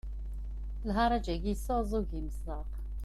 Lharaǧ-agi yesɛuẓẓug imeẓaɣ.